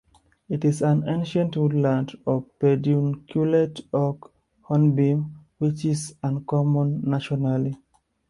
It is an ancient woodland of Pedunculate oak-hornbeam which is uncommon nationally.